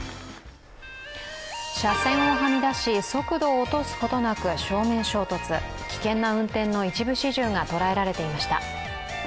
車線をはみ出し、速度を落とすことなく正面衝突、危険な運転の一部始終が捉えられていました。